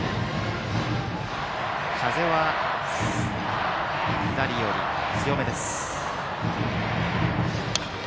風は左寄り、強めです。